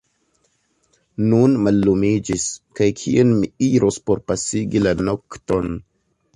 Nun mallumiĝis; kaj kien mi iros por pasigi la nokton?